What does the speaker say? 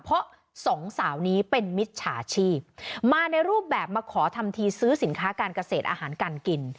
เพราะสองสาวนี้เป็นมิจฉาชีพมาในรูปแบบมาขอทำทีซื้อสินค้าการเกษตรอาหารการกิน